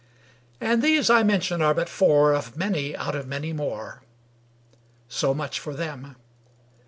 And these I mention are but four Of many out of many more. So much for them.